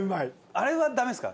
あれはダメですか？